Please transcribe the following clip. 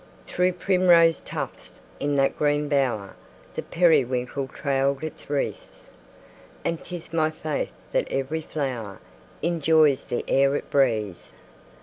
Through primrose tufts, in that green bower, The periwinkle trailed its wreaths; And 'tis my faith that every flower Enjoys the air it breathes.